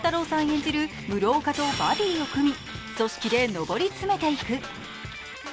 演じる室岡とバディを組み、組織で上り詰めていく。